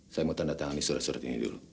saya mau tandatangani surat surat ini dulu